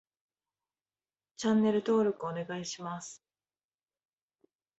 チャンネル登録お願いします